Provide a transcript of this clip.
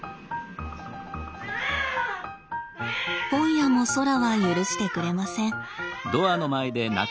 今夜もそらは許してくれません。